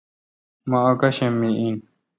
می اکاشم می این۔